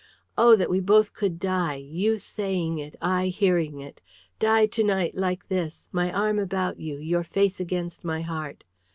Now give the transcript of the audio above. Oh that we both could die, you saying it, I hearing it, die to night, like this, my arm about you, your face against my heart!